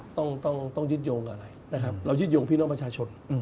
ต้องยิดโยงอะไรเรายิดโยงพี่น้องประชาชน